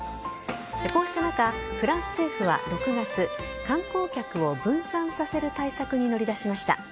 こうした中、フランス政府は６月観光客を分散させる対策に乗り出しました。